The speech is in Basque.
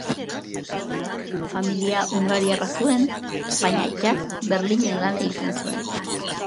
Familia hungariarra zuen, baina aitak Berlinen lan egiten zuen.